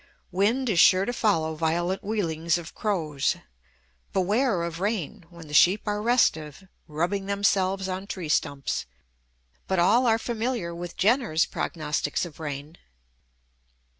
Wind is sure to follow violent wheelings of crows. "Beware of rain" when the sheep are restive, rubbing themselves on tree stumps. But all are familiar with Jenner's prognostics of rain.